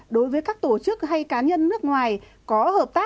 đối với các tổ chức hay cá nhân nước ngoài có hợp tác kinh doanh tại việt nam